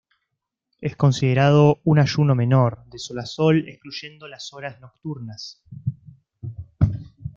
Es considerado un ayuno menor, de sol a sol, excluyendo las horas nocturnas.